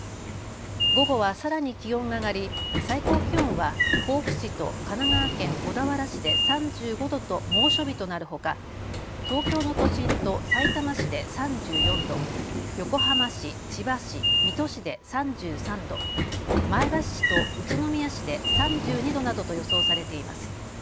午後はさらに気温が上がり最高気温は甲府市と神奈川県小田原市で３５度と猛暑日となるほか東京の都心とさいたま市で３４度、横浜市、千葉市、水戸市で３３度、前橋市と宇都宮市で３２度などと予想されています。